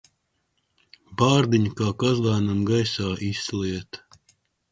Bārdiņa kā kazlēnam gaisā izslieta.